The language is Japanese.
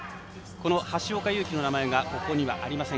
橋岡優輝の名前がここにはありません。